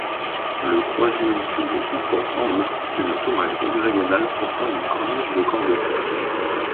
Le croisillon sud comporte en outre une tourelle hexagonale, portant une corniche de corbeaux.